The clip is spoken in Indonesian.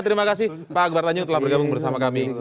terima kasih pak akbar tanjung telah bergabung bersama kami